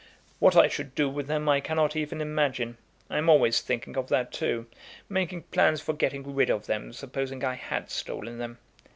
"What I should do with them I cannot even imagine. I am always thinking of that, too, making plans for getting rid of them, supposing I had stolen them.